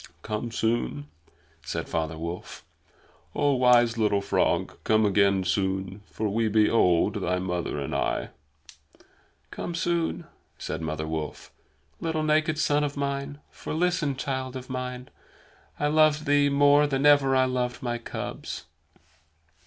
"Come soon!" said Father Wolf. "Oh, wise little frog, come again soon; for we be old, thy mother and I." "Come soon," said Mother Wolf, "little naked son of mine. For, listen, child of man, I loved thee more than ever I loved my cubs."